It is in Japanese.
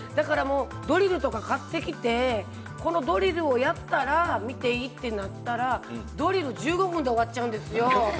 ドリルとか買ってきてこのドリルをやったら見ていいとなったらドリル１５分で終わっちゃうんですよ。